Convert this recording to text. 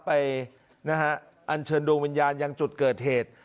ไปนะฮะอันเชิญดวงวิญญาณยังจุดเกิดเหตุ